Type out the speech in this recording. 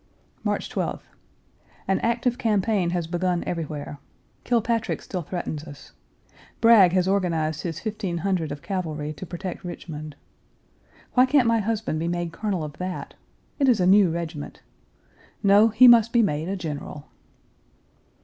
March 12th. An active campaign has begun everywhere. Kilpatrick still threatens us. Bragg has organized his fifteen hundred of cavalry to protect Richmond. Why can't my husband be made colonel of that? It is a new regiment. No; he must be made a general!